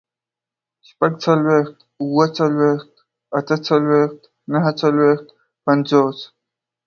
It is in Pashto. شپږڅلوېښت، اووه څلوېښت، اته څلوېښت، نهه څلوېښت، پينځوس